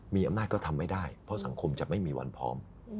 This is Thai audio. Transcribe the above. มีอำนาจก็ทำไม่ได้เพราะสังคมจะไม่มีวันพร้อม